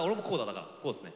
だからこうですね。